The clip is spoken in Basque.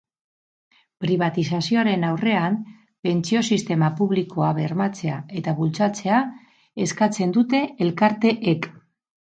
Pribatizazioaren aurrean pentsio sistema publikoa bermatzea eta bultzatzea eskatzen dute elkarteek.